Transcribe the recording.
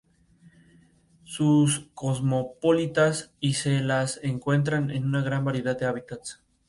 Son cosmopolitas y se las encuentra en una gran variedad de hábitats.